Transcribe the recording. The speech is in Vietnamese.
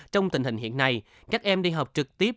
trong tình hình hiện nay các em đi học trực tiếp